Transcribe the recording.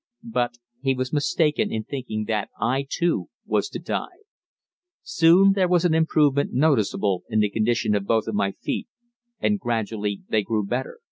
But he was mistaken in thinking that I, too, was to die. Soon there was an improvement noticeable in the condition of both of my feet, and gradually they grew better.